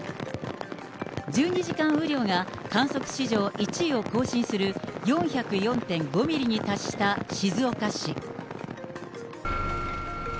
１２時間雨量が観測史上１位を更新する４０４．５ミリに達した静岡市。